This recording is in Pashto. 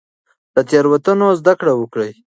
له تېروتنو زده کړه وکړئ.